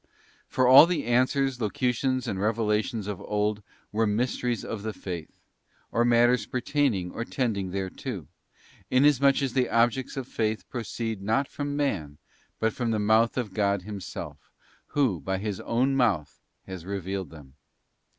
For all the answers, locutions, and revelations of old were mysteries of the Faith, or matters pertaining or tending thereto; inasmuch as the objects of faith proceed not from man, but from the mouth of God Himself, who, by His own mouth has revealed them.